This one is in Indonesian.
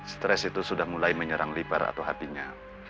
stres itu sudah mulai menyerang libar atau hatinya